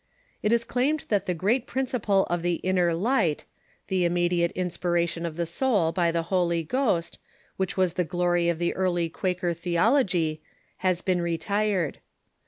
It is claimed that the great principle of the Inner Light, the immediate inspiration of the soul by the Holy Ghost, which was the glory of the early Quaker theology, has been retired.